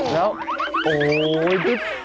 แล้วโอ๊ย